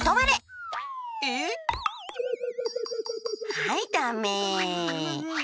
はいダメ。